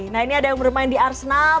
nah ini ada yang bermain di arsenal